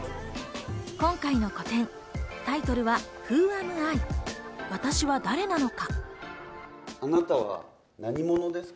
今回の個展、タイトルは「ＷＨＯＡＭＩ」、私は誰なのか？